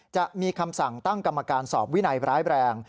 จะมีคำสั่งตั้งกรรมการสอบวินัยร้ายแรง